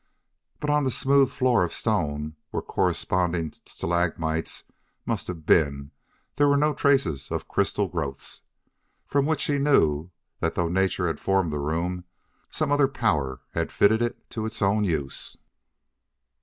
But on the smooth floor of stone, where corresponding stalagmites must have been, were no traces of crystal growths, from which he knew that though nature had formed the room some other power had fitted it to its own use.